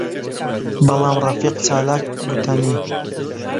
بەڵام ڕەفیق چالاک گوتەنی: